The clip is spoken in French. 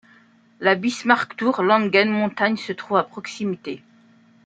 La Bismarck-tour Langen-montagne se trouve à proximité.